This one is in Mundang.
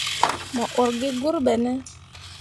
Mo ur gi gur ɓene ?